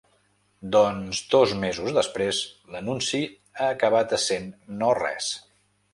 Doncs dos mesos després, l’anunci ha acabat essent no res.